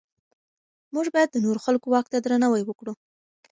موږ باید د نورو خلکو واک ته درناوی وکړو.